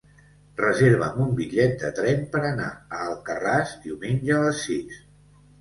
Reserva'm un bitllet de tren per anar a Alcarràs diumenge a les sis.